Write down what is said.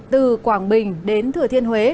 từ quảng bình đến thừa thiên huế